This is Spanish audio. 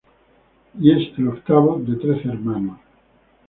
Y es el octavo de trece hermanos.